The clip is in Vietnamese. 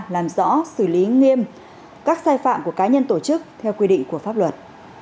làm rõ xử lý nghiêm các sai phạm của cá nhân tổ chức theo quy định của pháp luật